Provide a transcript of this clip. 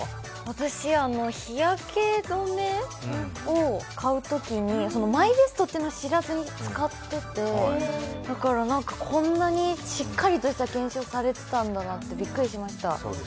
私、日焼け止めを買うときにｍｙｂｅｓｔっていうのを知らずに使っていてだから、こんなにしっかりとした検証されてたんだなってびっくりしました。